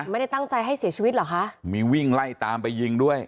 ไม่ได้ตั้งใจให้เสียชีวิตเหรอคะมีวิ่งไล่ตามไปยิงด้วย